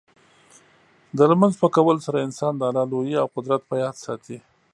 د لمونځ په کولو سره انسان د الله لویي او قدرت په یاد ساتي.